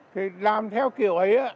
thì làm theo kiểu ấy